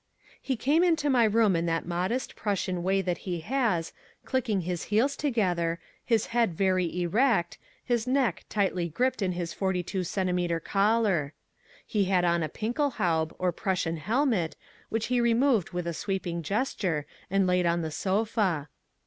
He came into my room in that modest, Prussian way that he has, clicking his heels together, his head very erect, his neck tightly gripped in his forty two centimeter collar. He had on a Pickelhaube, or Prussian helmet, which he removed with a sweeping gesture and laid on the sofa.